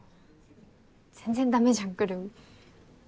全然ダメじゃんくるみ。